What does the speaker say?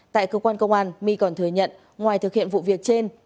tại cơ quan công an my còn thừa nhận ngoài thực hiện vụ việc trên